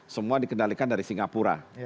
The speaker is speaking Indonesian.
semua dikendalikan dari singapura